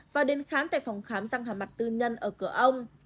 và đến khám tại phòng khám răng hà mặt tư nhân ở cửa ông